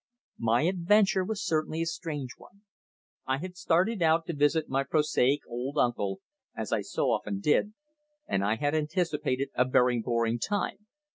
My adventure was certainly a strange one. I had started out to visit my prosaic old uncle as I so often did and I had anticipated a very boring time.